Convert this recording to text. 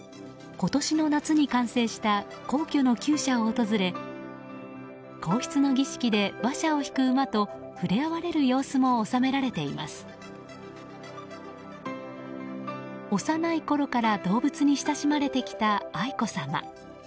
今年の夏に完成した皇居の厩舎を訪れ皇室の儀式で馬車をひく馬と触れ合われる様子も幼いころから動物に親しまれてきた愛子さま。